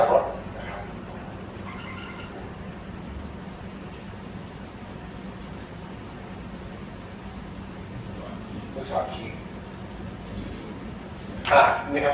คุณพร้อมกับเต้ย